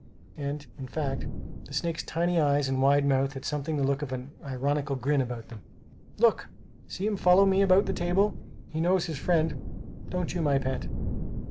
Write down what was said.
(And, in fact, the snake's tiny eyes and wide mouth had something the look of an ironical grin about them.) "Look! See him follow me about the table. He knows his friend don't you, my pet?